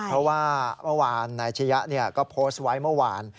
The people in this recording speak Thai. เพราะว่าเมื่อวานนายชะยะก็โพสต์ไว้เมื่อวาน